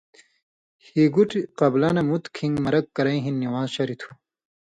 ہیگوٹ قبلہ نہ مُت کھِن٘گ مرک کرَیں ہِن نِوان٘ز شریۡ تھُو۔